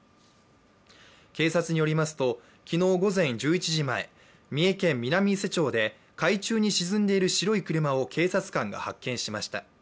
警察によりますと、昨日午前１１時前、三重県南伊勢町で海中に沈んでいる白い車を警察官が発見しました。